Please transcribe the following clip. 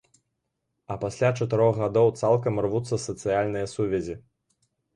А пасля чатырох гадоў цалкам рвуцца сацыяльныя сувязі.